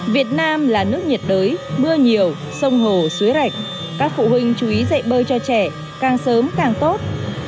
việt nam là nước nhiệt đới mưa nhiều sông hồ suối rạch các phụ huynh chú ý dạy bơi cho trẻ càng sớm càng tốt